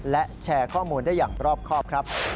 และแชร์ข้อมูลได้อย่างรอบครอบครับ